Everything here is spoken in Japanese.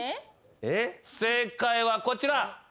正解はこちら。